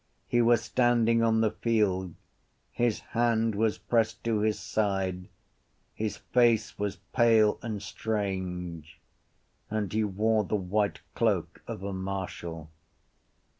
He was standing on the field; his hand was pressed to his side; his face was pale and strange and he wore the white cloak of a marshal.